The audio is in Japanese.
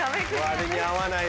割に合わないね。